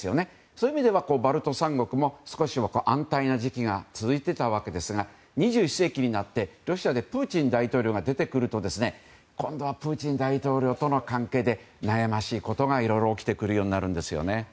そういう意味ではバルト三国も少しは安泰な時期が続いていたわけですが２１世紀になってロシアにプーチン大統領が出てくると今度はプーチン大統領との関係で悩ましいことが、いろいろ起きてくるようになるんですね。